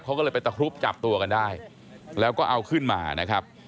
เขาก็เลยไปตะครุบจับตัวกันได้แล้วก็เอาขึ้นมานะครับ